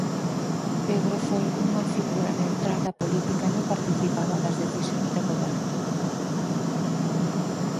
Pedro foi unha figura neutral da política e non participaba das decisións de goberno.